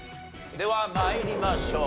では参りましょう。